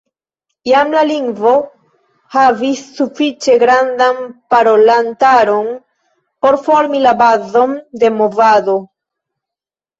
Jam la lingvo havis sufiĉe grandan parolantaron por formi la bazon de movado.